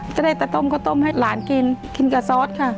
จะได้ตะต้มข้าวต้มให้หลานกินกินกับซอสค่ะ